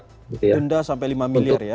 denda sampai lima miliar ya